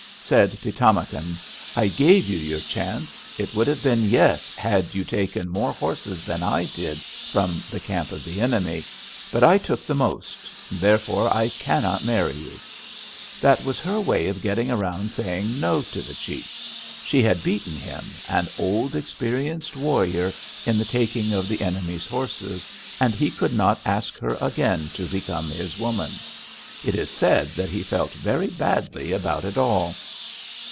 "' "Said Pi´tamakan: 'I gave you your chance. It would have been yes had you taken more horses than I did from the camp of the enemy. But I took the most; therefore I cannot marry you.' "That was her way of getting around saying 'no' to the chief. She had beaten him, an old, experienced warrior, in the taking of the enemy's horses, and he could not ask her again to become his woman. It is said that he felt very badly about it all.